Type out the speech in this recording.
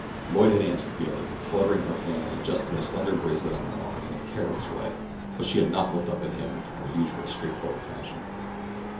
Lloyd had answered gaily, fluttering her fan and adjusting the slender bracelet on her arm, in a careless way, but she had not looked up at him in her usual straightforward fashion.